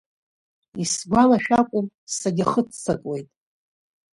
Исгәалашәакәым, сагьахыццакуеит.